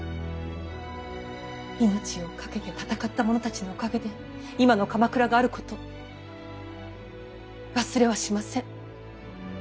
命を懸けて戦った者たちのおかげで今の鎌倉があること忘れはしません。